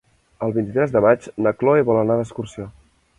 El vint-i-tres de maig na Chloé vol anar d'excursió.